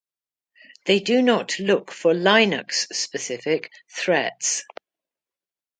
They do not look for Linux-specific threats.